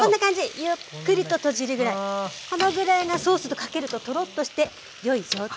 このぐらいがソースとかけるとトロッとして良い状態です。